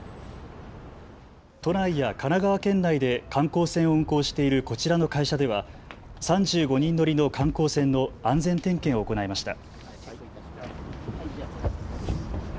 都内や神奈川県内で観光船を運航しているこちらの会社では３５人乗りの観光船の安全点検を行いました。